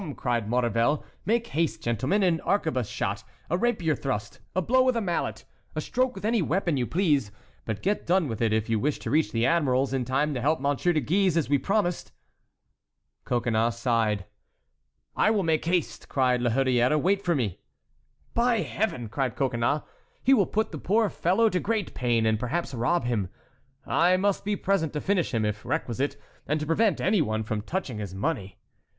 cried Maurevel; "make haste, gentlemen, an arquebuse shot, a rapier thrust, a blow with a mallet, a stroke with any weapon you please; but get done with it if you wish to reach the admiral's in time to help Monsieur de Guise as we promised." Coconnas sighed. "I'll make haste!" cried La Hurière, "wait for me." "By Heaven!" cried Coconnas, "he will put the poor fellow to great pain, and, perhaps, rob him. I must be present to finish him, if requisite, and to prevent any one from touching his money."